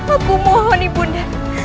aku mohon ibu nara